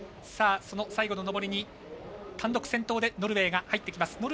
その最後の上りに単独先頭でノルウェーが入ってきます。